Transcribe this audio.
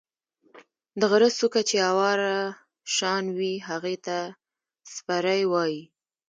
د غرۀ څُوكه چې اواره شان وي هغې ته څپرے وائي۔